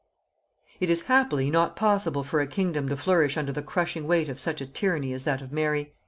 It is happily not possible for a kingdom to flourish under the crushing weight of such a tyranny as that of Mary.